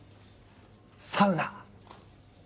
サウナ！